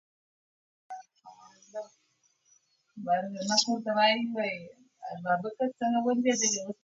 مور د کورنۍ غړو ته د پاکولو مسوولیت ورکوي.